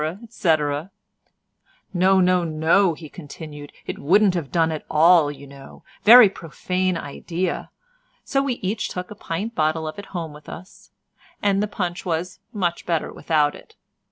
etc. "No, no, no," he continued, "it wouldn't have done at all, you know; very profane idea; so we each took a pint bottle of it home with us, and the punch was much better without it.